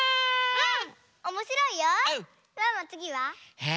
うん。